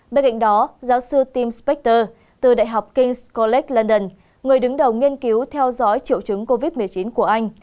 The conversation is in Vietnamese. bên cạnh đó giáo sư tim spector từ đại học king s college london người đứng đầu nghiên cứu theo dõi triệu chứng covid một mươi chín của anh